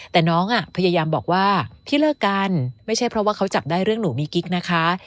แต่น้องอ่ะพยายามบอกว่าพี่เลิกกันไม่ใช่เพราะว่าเขาจับได้เรื่องหนูมีกิ๊กนะคะ